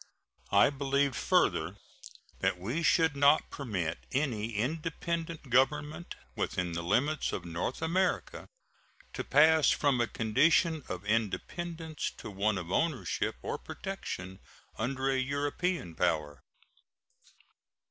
I believed further that we should not permit any independent government within the limits of North America to pass from a condition of independence to one of ownership or protection under a European power.